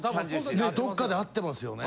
ねえどっかで会ってますよね。